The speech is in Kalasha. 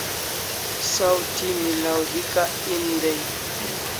Saw thi milaw hika en day